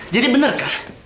jadi bener kan